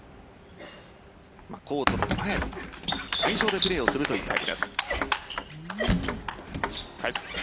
コートの前でプレーをするというタイプです。